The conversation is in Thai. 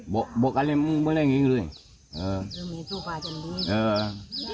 บอกบอกอะไรมึงบอกอะไรอย่างงี้เลยเออมีชูฟะจันดีเออ